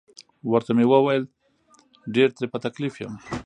ورته مې وویل: ډیر ترې په تکلیف یم.